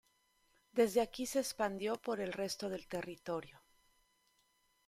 Desde aquí se expandió por el resto del territorio.